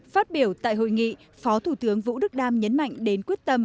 phát biểu tại hội nghị phó thủ tướng vũ đức đam nhấn mạnh đến quyết tâm